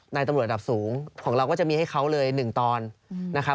ตำรวจระดับสูงของเราก็จะมีให้เขาเลย๑ตอนนะครับ